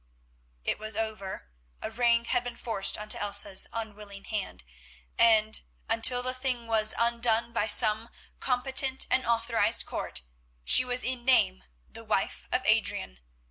It was over. A ring had been forced on to Elsa's unwilling hand, and, until the thing was undone by some competent and authorised Court, she was in name the wife of Adrian.